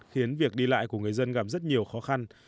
khiến việc đi lại của người dân gặp rất nhiều khó khăn